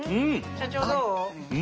社長どう？